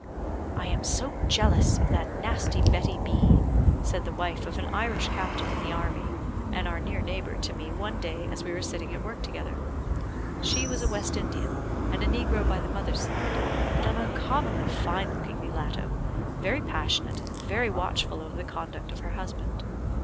"I am so jealous of that nasty Betty B ," said the wife of an Irish captain in the army, and our near neighbour, to me, one day as we were sitting at work together. She was a West Indian, and a negro by the mother's side, but an uncommonly fine looking mulatto, very passionate, and very watchful over the conduct of her husband.